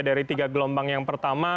dari tiga gelombang yang pertama